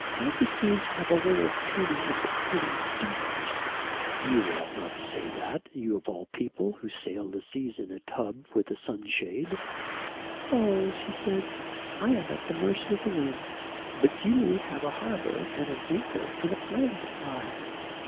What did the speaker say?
"Argosies have a way of turning into penny steamers." "You ought not to say that you of all people, who sail the seas in a tub with a sunshade." "Oh," she said, "I am at the mercy of the winds. But you have a harbour and an anchor and a flag to fly."